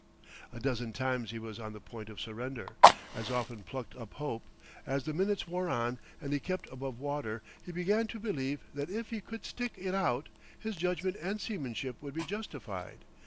A dozen times he was on the point of surrender, as often plucked up hope; as the minutes wore on and he kept above water, he began to believe that if he could stick it out his judgment and seamanship would be justified